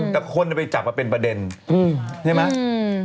แต่คนไปจับมาเป็นประเด็นใช่ไหม